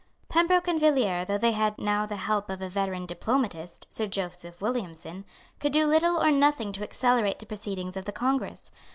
Pembroke and Villiers, though they had now the help of a veteran diplomatist, Sir Joseph Williamson, could do little or nothing to accelerate the proceedings of the Congress.